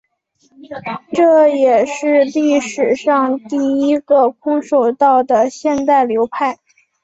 这也是历史上第一个空手道的现代流派。